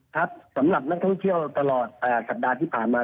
สำหรับนักท่องเที่ยวตลอดสัปดาห์ที่ผ่านมา